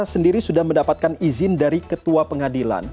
sendiri sudah mendapatkan izin dari ketua pengadilan